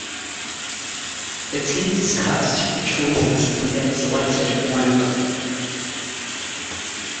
The team discussed the choices and then selected one of them.